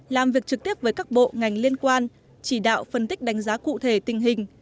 làm việc trực tiếp với các bộ ngành liên quan chỉ đạo phân tích đánh giá cụ thể tình hình